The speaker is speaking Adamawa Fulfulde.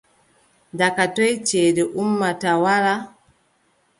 Daga toy ceede ummata wara ?